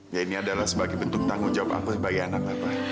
ya ini adalah sebagai bentuk tanggung jawab aku sebagai anak